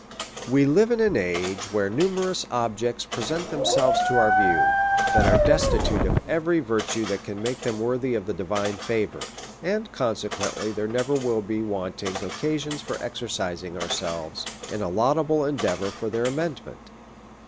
We live in an age wherein numerous objects present themselves to our view, that are destitute of every virtue that can make them worthy of the divine favour ; and, consequently, there never will be wanting occasions for exercising ourselves in a laudable endeavour for their amend ment.